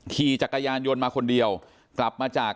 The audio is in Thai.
ขี่จักรยานยนต์มาคนเดียวกลับมาจาก